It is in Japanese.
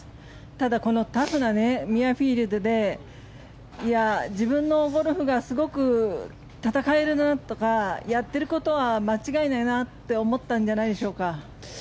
ただこのタフなミュアフィールドで自分のゴルフがすごく戦えるなとかやってることは間違いないなって思ったんじゃないでしょうか。